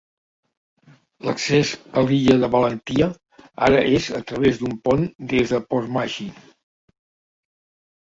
L'accés a l'illa de Valentia ara és a través d'un pont des de Portmagee.